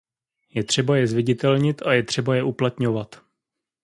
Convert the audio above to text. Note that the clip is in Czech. Je třeba je zviditelnit a je třeba je uplatňovat.